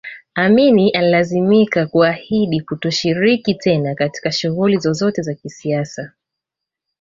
Amin alilazimika kuahidi kutoshiriki tena katika shughuli zozote za kisiasa